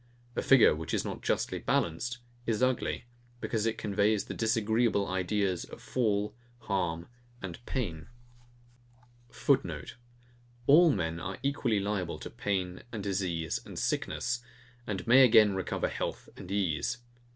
A figure, which is not justly balanced, is ugly; because it conveys the disagreeable ideas of fall, harm, and pain. [Footenote: All men are equally liable to pain and disease and sickness; and may again recover health and ease.